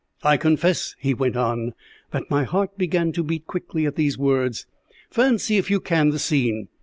"I confess," he went on, "that my heart began to beat quickly at these words. Fancy, if you can, the scene.